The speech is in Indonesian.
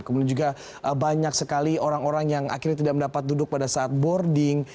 kemudian juga banyak sekali orang orang yang akhirnya tidak mendapat duduk pada saat boarding